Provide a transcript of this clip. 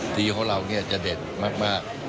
สีของเราเนี่ยจะเด่นมาก